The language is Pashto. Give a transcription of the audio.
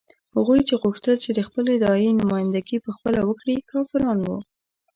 هغوی چې غوښتل یې د خپلې داعیې نمايندګي په خپله وکړي کافران وو.